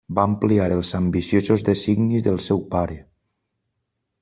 Va ampliar els ambiciosos designis del seu pare.